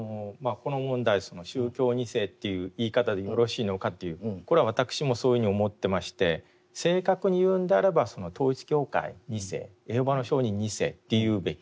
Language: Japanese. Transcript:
この問題その宗教２世という言い方でよろしいのかというこれは私もそういうふうに思ってまして正確に言うんであれば統一教会２世エホバの証人２世って言うべき。